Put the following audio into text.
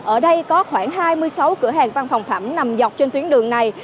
ở đây có khoảng hai mươi sáu cửa hàng văn phòng phẩm nằm dọc trên tuyến đường này